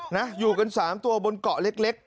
นะอยู่กัน๓ตัวบนเกาะเล็ก